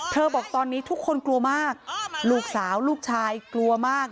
บอกตอนนี้ทุกคนกลัวมากลูกสาวลูกชายกลัวมาก